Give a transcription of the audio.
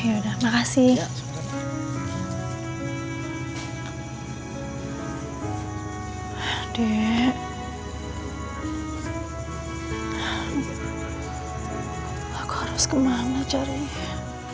oh enggak oh ya udah makasih ya